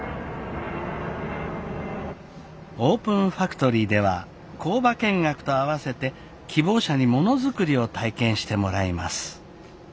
オープンファクトリーでは工場見学と合わせて希望者にものづくりを体験してもらいます。